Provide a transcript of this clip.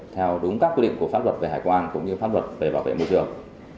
theo đúng các quy định của pháp luật về hải quan cũng như pháp luật về bảo vệ môi trường